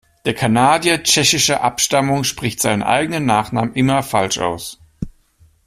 Der Kanadier tschechischer Abstammung spricht seinen eigenen Nachnamen immer falsch aus.